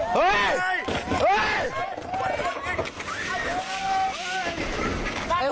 เฮ้ย